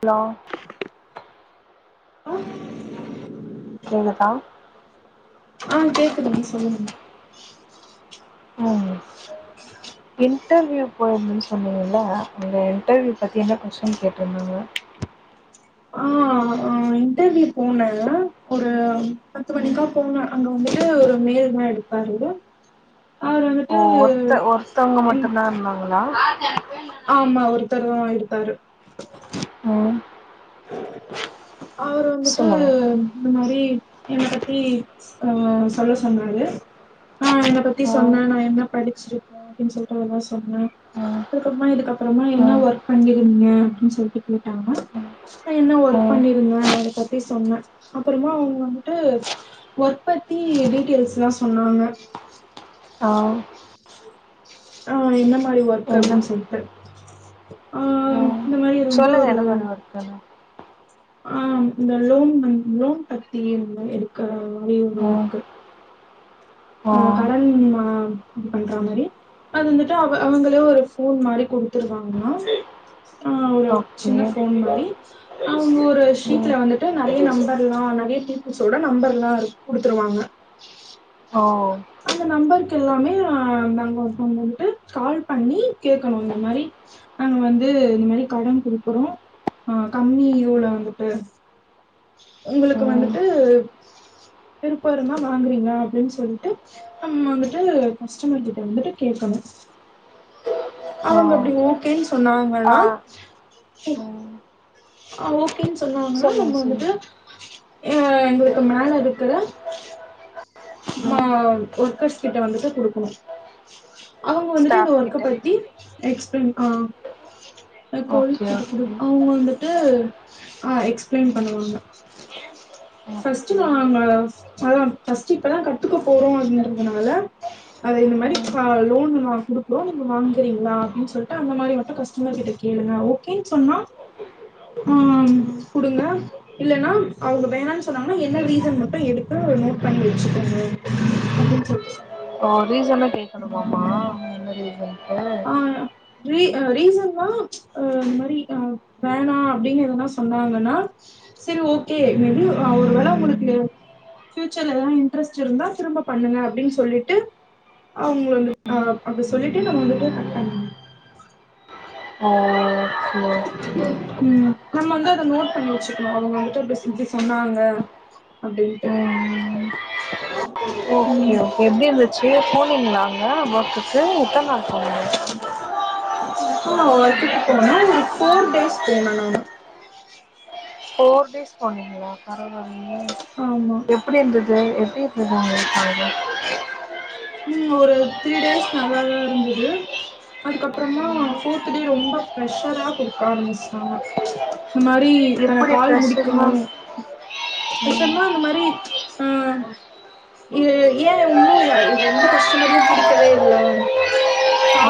hello ஓ கேங்கதா ஆ கேக்குதுங்க சொல்லுங்க ம் இன்டர்வியூ போயிருதன்னு சொன்னிங்கல அங்க இன்டர்வியூ பத்தி என்ன கொஷ்டின் கேட்டிருந்தாங்க நா இன்டர்வியூ போனே ல்ல ஒரு பத்து ம் மணிக்கா போன அங்க வந்துட்டு ஒரு மெய்ல் தா எடுக் [unintelligible] ஓ அருத்த ஒருத்தவங்க இன் மட்டுதா இருந்தாங்களா ஆமா ஒருத்தரு தா வந்து இருக்காரு ம் அவரு வந்துட்டு சொல்லுங்க இந்த மாரி என்ன பத்தி அஹ் சொல்ல சொன்னாரு ஆ என்ன பத்தி ம் சொன்னே நா என்ன படிச்சிருக்கேன் அப்டின்னு சொல்ட்டு அதெல்லா சொன்னே ம் அதுக்கப்றமா இதுக்க அப்பறமா என்ன ம் ஒர்க் பண்ணிங்க நீங்க அப்டின்னு சொல்ட்டு கேட்டாங்க ம் நா என்ன ஒர்க் ம், பண்ணிருந்தே அத பத்தி சொன்னே அப்றமா அவங்க வந்துட்டு ஒர்க் பத்தி டீட்டெய்ல்ஸ்லாம் சொன்னாங்க ஆ ஆ என்ன மாரி ஒர்க் என்ன அப்டின்னு சொல்ட்டு ஆ ம் இந்த மாரி அவரு வந்து சொல்லுங்க என்ன மாரி ஒர்க்குன்னு ஆ இந்த லோன் லோன் பத்தி எடுக்கற மாரி ஒரு ம் ஒர்க்கு ஆ கலந்துருமா இது பண்ற மாரி அது வந்துட்டு அவ அவங்களே ஒரு ஃபோன் மாரி கொடுத்ருவாங்க ஆ ஒரு ஓகே சின்ன ஃபோன் மாரி அவங்க ஒரு ஷீட்ல ம் வந்துட்டு நறய நம்பர்லா நறய டி நீ சொல்ற நம்பர்லா கொடுத்துருவாங்க ஓ அந்த நம்பருக்கெல்லாமே நாங்க இப்ப வந்துட்டு கால் பண்ணி கேட்கணு இந்த மாரி நாங்க வந்து இந்த மாரி கடன் குடுக்குறோ அ கம்மி இதுல ம் வந்துட்டு உங்களுக்கு ம் வந்துட்டு விருப்போ இருந்தா வாங்குறீங்களா அப்டின்னு சொல்டு நம்ம வந்துட்டு கஷ்டமர் கிட்ட வந்துட்டு கேட்கணு ஓ அவங்க அப்டி ஓகேன்னு ஆ சொன்னாங்கன்னா ம் ஆ ஓகேன்னு சொன்னாங்கனா நம்ம சொல்லுங்க சொல்லுங்க வந்துட்டு எ எங்களுக்கு மேல இருக்குற மா ம் ஒர்கர்ஸ் கிட்ட வந்துட்டு கொடுக்கணு அவங்க வந்துட்டு இந்த ஸ்டாஃப் ஒர்க்க கிட்ட பத்தி எக்ஸ்பிளைன் ஆ எங்க கோ ஓகே [unintelligible] குடு ஓகே அ [unintelligible] வந்துட்டு ஆஹ் எக்ஸ் ம் ஃபர்ஸ்ட்டு ஓகே நாங்க அங்க அதான் ஃபர்ஸ்ட்டு இப்பதான் கத்துக்க போறோம் அப்டின்றதுனால அத இந்த மாரி ம் லோன் நாங்க குடுக்குறோம் நீங்க வாங்குறீங்களா அப்படின்னு சொல்லிட்டு அந்த மாதிரி மட்டும் கஷ்ட மர் கிட்ட கேளுங்க ஓகேன்னு சொன்னா [unintelligible] ஆ ம் கொடுங்க இல்லைன்னா அவங்க வேண்டான்னு சொ நம்ம என்ன ரீசன் மட்டும் எடுத்து நோட் பண்ணி வச்சுக்கோ சொ ரீசன கேட்கணுமாமா என்ன ரீசன்டு ஆ ரீ ரீசன் வா அ இந்த மாரி வேணாம் அப்படின்னு எதெனா சொன்னாங்கன்னா செரி ஓகே வெ ஒரு வேல உங்களுக்கு ஃப்யூச்சர்ல எல்லா இன்ட்ரெஸ்ட் இருந்தா திரும்ப பண்ணுங்க அப்டின்னு சொல்லிட்டு ஆ உங்கள வந்துட் ஆ அப்டி சொல்லிட்டு நம்ம வந்துட்டு ஆ அ ஓ ஓ ம் நம்ம வந்து அத நோட் பண்ணி வச்சுக்கணு அவுங்க வந்துட்டு இப்ப இப்டி சொஞ்சு சொன்னாங்க அப்டின்ட்டு ம் ஓகே ஓகே எப்டி இருந்துச்சு போனீங்களாங்க அங்க ஒர்க்கு எத்தன நாள் போனீங்க இப்ப நா ஒர்க்குக்கு போனே ஒரு ஃபோர் டேஸ் போனே நானு ஃபோர் டேஸ் போனீங்களா பரவால்லயே எப் ஆமா எப்டி இருந்தது எப்டி இருந்ததுங்க அதா ம் ஒரு த்ரீ டேஸ் நல்லாதா இருந்தது அதுக்கு அப்பறமா ம் ஃபோர்த் டே ரொம்ப பிரெஷரா போ குடுக்க ஆரம்பிச்டாங்க இந்த மாரி த எப்டி கால் ஃப்ரெஷர்னா முடிக்கணு ம் பிரெஷர்னா அந்த மாரி அ இ ஏ உன்னு ய எந்த கஷ்டமரயு புடிக்கவே இல்ல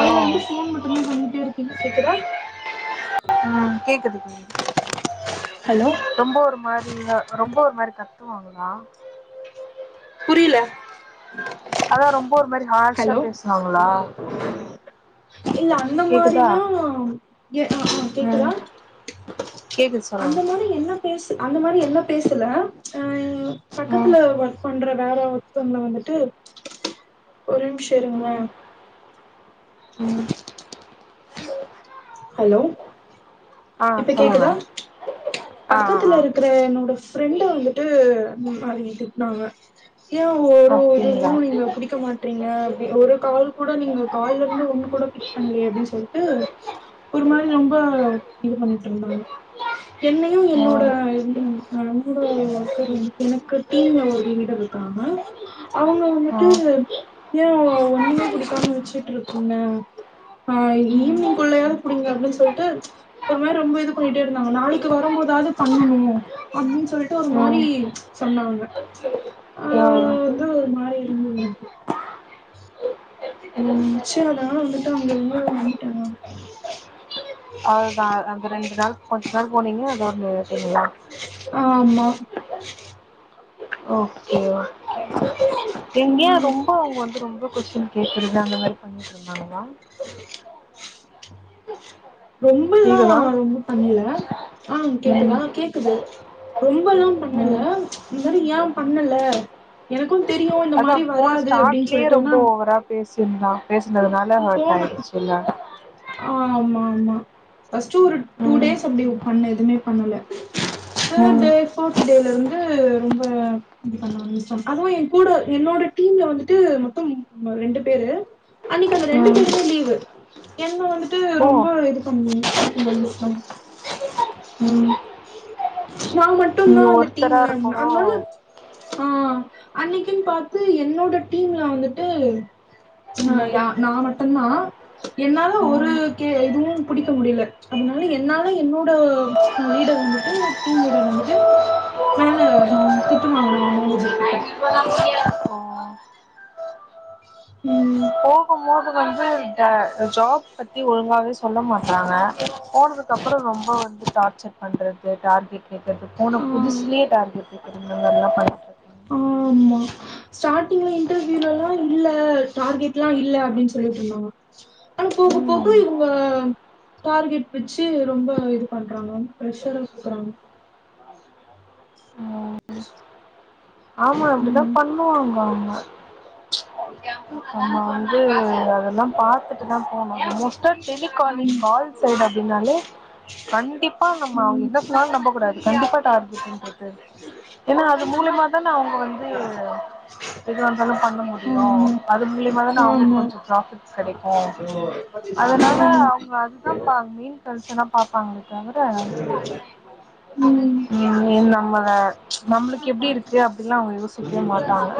ஓ இருந்து ஃபோன் மட் மட்டு தா பண்ணிட்டே இருக்கேனே கேக்குதா ஆ கேக்குது ஹலோ ரொம்ப ஒரு மாரி இல்ல ரொம்ப ஒரு மாரி கத்துவாங்க தா புரில அதா ரொம்ப ஒரு மாரி ஹார்ஷா ஹலோ பேசுனாங்களா இல்ல அந்த கேக்குதா மாரிலா ஏ ஹ ஹ கேக்குதா ம் கேக்குது சொல்லுங்க அந்த மாரி என்ன பேசு அந்த மாரி என்ன பேசல ஆ யு ம் பக்கத்துல வ பண்ற வேற ஒருத்தவுங்கள வந்துட்டு ஒரு நிமிஷோ இருங்களே ம் ம் ஹலோ ஆ இப்ப சொல்லுங்க கேக்குதா ஆ ஆ ஆ பக்கத்துல இருக்கற என்னோட ஃப் ஃபிரெண்ட வந்துட்டு அவிய்க திட்டுனாங்க ஏ ஒரு ஒரு அப்டிங்களா இதுவு நீங்க முடிக்க மாட்றீங்க அப்டி ஒரு கால் கூட நீங்க கால்ல இருந்து ஒண்ணு கூட பண்ணலயே அப்டின்னு சொல்ட்டு ஒரு மாரி ரொம்ப இது பண்ணிட்டு ருந்தாங்க என்னையு என்னோட ம் ம் நண்ப ஒர்க்கர் வந்து எனக்கு டீம்ல ஒரு லீடர் இருக்காங்க அவுங்க ஆ வந்துட்டு ஏ ஒண்ணுமே புடிக்காம வச்சுட்டு ருக்கீங்க ஆ ம் ம் ஈவினிங்க்குள்ளயாது புடிங்க அப்டின்னு சொல்ட்டு ஒரு மாரி ரொம்ப இது பண்ணிட்டே இருந்தாங்க நாளைக்கு வரபோதாவது பண்ணணு அப்டின்னு சொல்லிட்டு ஒரு மாரி ம் சொன்னாங்க ஆ அதா ஒரு மாரி இருந்து எனக்கு ம் செரி அதன வந்துட்டு அங்க இருந்து வந்துட்டே நானு அதுதா அந்த ரெண்டு நாள் கொஞ்ச நேரோ போனீங்க அது ஒன்னு விட்டீங்களா ஆமா ஓகே வா எங்கேயா ம் ரொம்போ அவுங்க வந்து ரொம்ப கொஸ்டின் கேக்குறது அந்த மாரி பண்ணிட்டு ருந்தாங்களா ரொம்ப எல்லா கேக்குதா ரொம்ப பண்ல ஆ கேக்குதா ம் கே இது ரொம்பல்லா பண்ணல ம் இந்த மாரி ஏ பண்ணல எனக்கு தெரியு இந்த அதா மாதிரி வராது அப்டின்னு சொல்லிட்டு ஏன்னா பேசிருந்தா பேசுனதுனால ஹா்ட் ஆயிடுச்சுல்ல ஆமாமா ஃபஸ்ட் ஒரு டூ ம் டேஸ் அப்டி பண்ண எதுவுமே பண்ணல தேர்ட் ம் டே ஃபோர்த் டேல இருந்து ரொம்ப அதுவு என் கூட என்னோட டீம்ல வந்துட்டு மொத்த ரெண்டு பேரு அன்னக்கு அந்த ரெண்டு ம் பேருமே லீவு என்ன வந்துட்டு ஓ ரொம்ப இது பண்ணி இது பண்ண ஆரம்பிச்சிடாங்க ம் நா மட்டும்தா நீங்க அந்த ஒருத்தரா டீம்ல இருந்த இருக்கவு அதனால ஆ அன்னைக்குன்னு பாத்து என்னோட டீம்ல வந்துட்டு ஆ ம் ய நா மட்டு்தா என்னால ஒரு ம் கே இதுவு புடிக்க முடியல அதனால என்னால என்னோட லீடர் வந்துட்டு டீம் லீடர் வந்துட்டு மேல திட்டு வாங்கனு மேனேஜர் கிட்ட ஓ ம் போகும் போது வந்து இந்த ஜாப் பத்தி ஒழுங்காவே சொல்ல மாட்டறாங்க போனதுக்குப்புறோ ரொம்ப வந்து டார்சர் பண்றது டார்கெட் கேக்குறது போன ஆ புதுசுலயே டார்கெட்ல்லா [unintelligible] ஆமா ஸ்டார்டிங்ல இன்டர்வியூலல்லா இல்ல டார்கெட்ல்லா இல்ல அப்டின்னு சொல்லிட்டு இருந்தாங்க ஆ போக போக ம் இவுங்க டார்கெட் வச்சு ரொம்ப இது பண்றாங்க ப்ரெஷர குடுக்குறாங்க ஆமா அப்டிதா ம் பண்ணுவாங்க அவுங்க ஆமா அது அதெல்லா பாத்துட்டு தா ஆமா [unintelligible] இருந்து காலிங் கால் சைடு அப்டின்னாலே கண்டிப்பா ங்கமா அவுங்க ம் ம் என்ன சொன்னாலு நம்ப கூடாது கண்டிப்பா டார்கெட் [unintelligible] ஏனா அது மூலியமா அவுங்க வந்து எது வந்தாலு பண்ண முடியு ஆமா அது மூலியமாதான அவுங்களுக்கு ஆமா கொஞ்ச ப்ராஃபிட் கெடைக்கு அதுனால அவுங்க அதுதா பாரு [unintelligible] இன்டென்ஷனா பாப்பாங்களே தவிர என் நம்மள நம்மளுக்கு எப்டி இருக்கு அப்டில்லா அவுங்க யோசிக்கவே மாட்டாங்க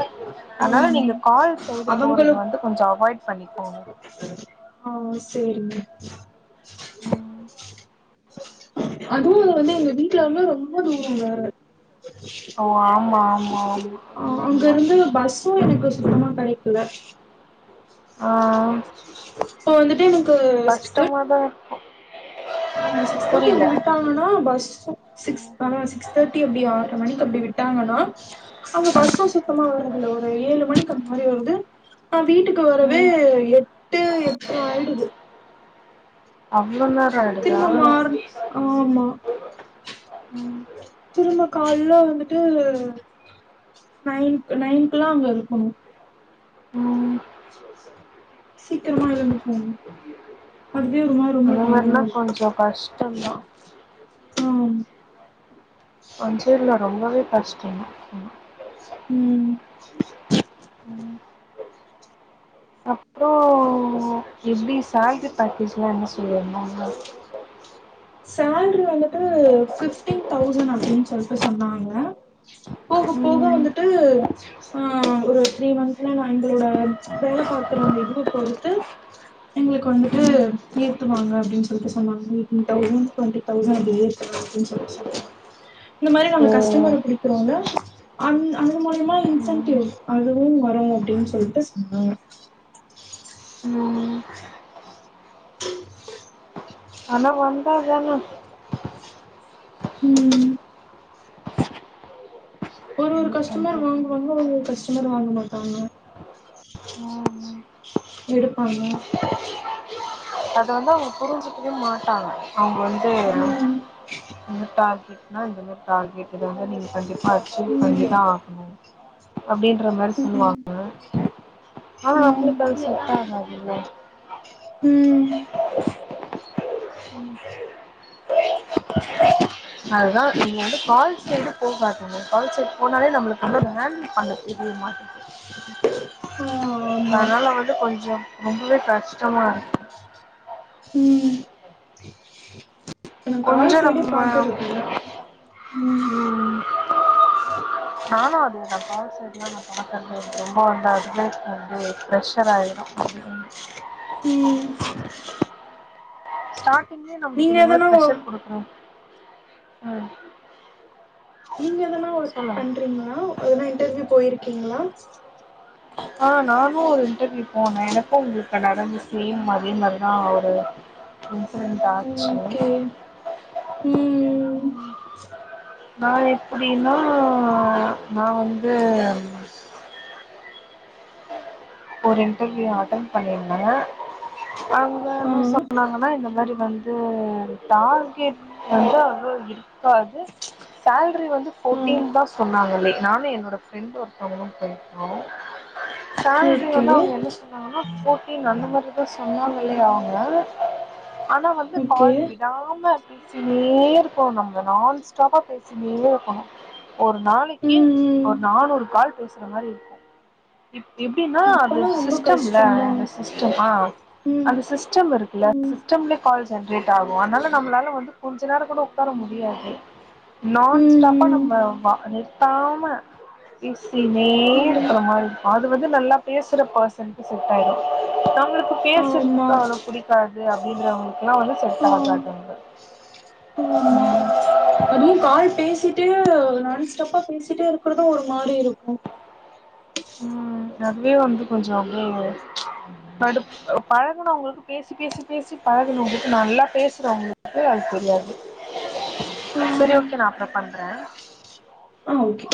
அதனால நீங்க கால் சைடு போறது அவங்களும் வந்து கொஞ்ச அவாய்ட் பண்ணிக்கோங்க ஆ சரிங்க ம் அதுவு வந்து எங்க வீட்டுல இருந்து ரொம்ப தூர வேற ஓ ஆமா ஆமா ஆமா அது ஒன்னு தா அது எனக்கு சுத்தமா கெடைக்கல ஆ சோ வந்துட்டு எனக்கு சிக்ஸ் தேர்ட்டி கஷ்டமாதா இருக்கு ஆமா சிக்ஸ் தேட்டி புரில வந்து விட்டா ஆனா பஸ்ஸு சிக்ஸ் ஆ சிக்ஸ் தேர்ட்டி அப்டி ஆற்ர மணிக்கு அப்டி விட்டாங்கன்னா அங்க பஸ்ஸூ சுத்தமா வர்றதுல்ல ஒரு ஏழு மணிக்கு அந்த மாரி வருது ஆ வீட்டுக்கு வரவே ம் எட்டு எட்ர ஆயிடுது அவ்ளோ நேர திரும்ப மார்ன் ஆமா திரும்ப கால்ல வந்துட்டு நைன்க்கு நைன்குல்லா அங்க இருக்கனு ஆமா சீக்கிரமா எழுந்து போனோம் அதுவே ஒரு மாரி ரொம்ப அந்த டயர்டா மாரினா இருக்கும் கொஞ்சோ கஷ்டந்தா ஆம் கொஞ்சோ இல்ல ரொம்பவே கஷ்டம் ம் ம் அப்றோ எப்டி சால்ரி பேக்கேஜ்லா என்ன சொல்லுவானோ இன்னு சேல்ரி வந்துட்டு ஃபிஃப்டீன் தவுசண்ட் அப்டின் சொல்ட்டு சொன்னாங்க போக போக ம் வந்துட்டு அ அ ஒரு த்ரீ மந்த்ல நா எங்களோட வேல பாக்குற அ இதுவ பொறுத்து எங்களுக்கு வந்துட்டு ஏத்துவாங்க அப்டின் சொல்ட்டு சொன்னாங்க மீட்டிங் தவுசண்ட் டொன்ட்டி தவுசண்ட் அப்டி ஏத்து வாங்கன் சொல்ட்டு சொன்னாங்க இந்த மாரி ஓ நாங்க கஸ்டமர புடிக்குறோங்க அந் அந்த மூலியமா ம் இன்சென்டிவ் அதுவும் வரும் அப்டின் சொல்ட்டு சொன்னாங்க ஆமாங்க ஆனா வந்தா தான ம் ம் ஒரு ஒரு என்ன கஸ்டமர் பண்றது வாங்குவாங்க ஒரு ஒரு கஸ்டமர் வாங்க மாட்டாங்க ஆ ம் எடுப்பாங்க அத வந்து அவங்க புரிஞ்சுக்கவே மாட்டாங்க அவங்க வந்து ம் இந்த டார்கெட்னா இந்த மாரி டார்கெட்டு வந்து நீங்க கண்டிப்பா அச்சுவ் ம் பண்ணித்தா ஆகணு அப்டின்ற மாரி ம் சொல்லுவாங்க ஆமா நம்ளுக்கு ம் அது செட் ஆகாதுல்ல ம் ம் அதுதா நீங்க வந்து கால் சைடு போகாதிங்க கால் சைட் போனாலே நம்ளுக்கு வந்து யர்ன் பண்ண இது மாத்திக்கோ ஆ ஆமா அதனால வந்து கொஞ்சோ ரொம்பவே கஷ்டமா இருக்கு ம் நா கால் கொஞ்சோ சைடே நம்ம பாக்குறதில்ல ம் நானு அதே தா கால் சைட் ஏற்கனவே நா பாக்கற்தே ரொம்ப ரொம்ப ரொம்பவே வந்து ப்ரெஷர் ஆயிடும் ம் ம் ஸ்டார்டிங்கிலே நம்ளுக்கு நீங்க இந்த மாரி எதனா ப்ரஷர் ஒ- குடுக்கனு ம் நீங்க எதனா ஒர்க் சொல்லுங்க பண்றீங்ளா எதனா இன்டர்வியூ போயிருக்கீங்ளா ஆ நானு ஒரு இன்டர்வியூ போன எனக்கும் உங்ளுக்கு நடந்த சேம் அதே மாரிதா ஒரு இன்ஸ்சிரன்ட் ஆச்சு ஓகே ம் நா எப்பிடின்னா நா வந்து ஒரு இன்டர்வியூ அட்டன் பண்ணியிருந்த அங்க ஆ என்ன சொன்னாங்கன்னா இந்த மாரி வந்து டார்கெட் வந்து அவ்ளோ இருக்காது சேல்ரி வந்து ஆ ஃபோர்டீன் தா சொன்னாங்கல்லே நானு என்னோட ஃப்ரெண்ட் ஒருத்தவங்களு போய்ந்தோ சேலரி ஓகே வந்து அவ்ங்க என்ன சொன்னாங்கனா ஃபோர்ட்டீன் அந்த மாரிதா சொன்னாங்களே அவ்ங்க ஆனா வந்து ஓகே கால் விடாம பேசினே இருப்பாங்க அவ்ங்க நான் ஸ்டாப்பா பேசினே இருக்கணு ஒரு நாளைக்கு ம் ம் ஒரு நானூறு கால் பேசுற மாரி இருக்கு இப் இப் எப்டினா அது அப்பனா ரொம்ப சிஸ்டம்ல கஷ்டந்தா அந்த சிஸ்டம் ஆ ம் அந்த சிஸ்டம் இருக்குல ம் சிஸ்டம்ல கால் ஜென்ரேட் ஆகு அதனால நம்மளால வந்து கொஞ்ச நேர கூட ஒக்கார முடியாது நான் ஸ்டாப்பா ம் ம் நம்ம ஆமா அ நிருத் த்தாம பேசினே ம் இருக்கிற மாதிரி இருக்கு அது வந் து நல்லா பேசுற பெர்சனுக்கு சூட் ஆயிடு நம்மளுக்கு ஆமா பேசுறதுக்கு அவள புடிக் க்காது அப்டின்றவ்ங்களுக்குலா வந்து செட் ஆ ஆகாதுங்க ஆமா ம் அதுவு கால் பேசிட்டே நான் ஸ்டாப்பா பேசிட்டே இருக்கிறது ஒரு மாரி இருக்கு ம் அதுவே வந்து கொஞ்ச அப்டியே கடுப் அ பழகுனவ்ங்களுக்கு பேசி பேசி பேசி பழகுனவ்ங்களுக்கு நல்லா பேசுறவ்ங்களுக்கு அது தெரியாது சேரி ஓகே நா அப்ற பண்றே ஆ ஓகே